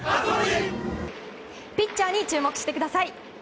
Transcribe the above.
ピッチャーに注目してください。